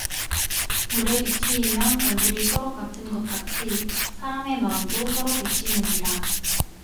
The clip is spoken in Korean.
물에 비취이면 얼굴이 서로 같은 것 같이 사람의 마음도 서로 비취느니라